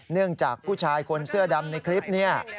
เนื่องจากผู้ชายคนเสื้อดำในคลิปนี้